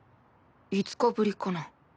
５日ぶりかな。